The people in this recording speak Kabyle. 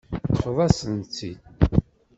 Teṭṭfeḍ-asent-t-id.